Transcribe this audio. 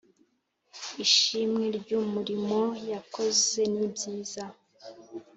Ishimwe ry’ umurimo yakoze n’ ibyiza